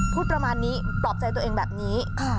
พูดประมาณนี้ปลอบใจตัวเองแบบนี้